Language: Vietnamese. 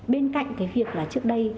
bên cạnh cái việc là trước đây